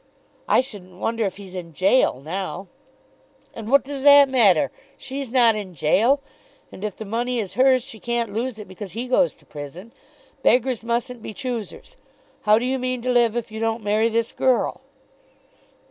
"I shouldn't wonder if he's in gaol now." "And what does that matter? She's not in gaol. And if the money is hers, she can't lose it because he goes to prison. Beggars mustn't be choosers. How do you mean to live if you don't marry this girl?"